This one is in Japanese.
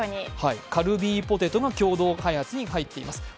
カルビーポテトが共同開発に入っています。